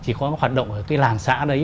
chỉ có hoạt động ở cái làng xã đấy